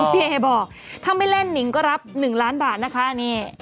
พี่เอบอกถ้าไม่เล่นหนิงก็รับ๑ล้านบาทนะคะนี่